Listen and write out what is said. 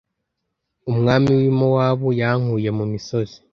umwami w'i mowabu yankuye mu misozi